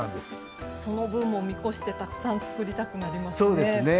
その分も見越してたくさん作りたくなりますね。